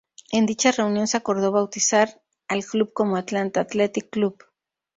En dicha reunión se acordó bautizar al club como Atlanta Athletic Club.